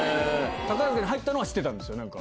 宝塚に入ったのは知ってたんです